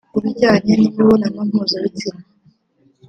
Ku bijyanye n’imibonano mpuzabitsina